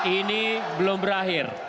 ini belum berakhir